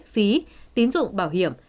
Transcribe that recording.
phí tín dụng bảo hiểm